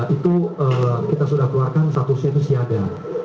itu kita sudah keluarkan satu semi siaga